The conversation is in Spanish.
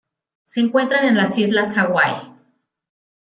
Se encuentran en las Islas Hawaii.